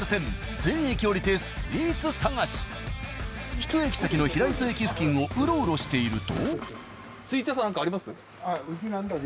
１駅先の平磯駅付近をうろうろしていると。